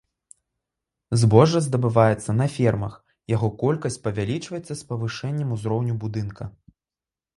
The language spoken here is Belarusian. Збожжа здабываецца на фермах, яго колькасць павялічваецца з павышэннем ўзроўню будынка.